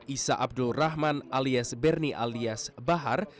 isa abdul rahman alias bernie alias bahar